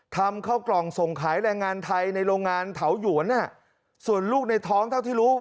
ทำเข้ากล่องส่งขายแรงงานไทยในโรงงานเถาหยวนส่วนลูกในท้องเท่าที่รู้